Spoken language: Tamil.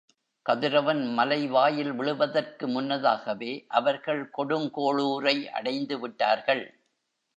கதிரவன் மலைவாயில் விழுவதற்கு முன்னதாகவே அவர்கள் கொடுங்கோளூரை அடைந்து விட்டார்கள்.